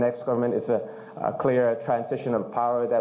เพื่อพื้นกันเวลาที่จะมีผ่านไป